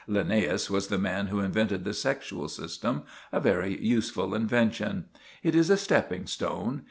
Linnæus was the man who invented the sexual system—a very useful invention. It is a stepping stone.